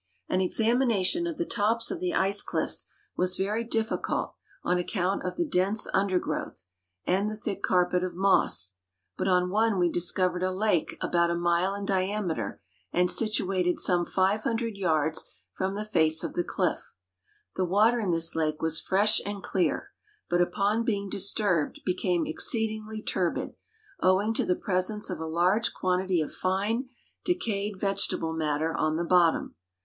An examination of the to])s of the ice cliffs was very difficult on account of the dense undergrowth and the thick carpet of mo.ss, but on one we discovered a lake about a mile in diameter and situated some 500 yards from the face of the cliff. The water in this lake was fresh and clear, but upon being disturbed became exceedingly turbid, owing to the presence of a large quantity of fine, decayed vegetable matter on the bottom.